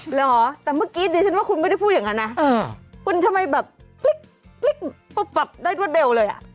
เหรอแต่เมื่อกี้ดิฉันว่าคุณไม่ได้พูดอย่างนั้นนะคุณทำไมแบบพลิกปุ๊บแบบได้รวดเร็วเลยอ่ะ